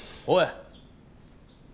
おい！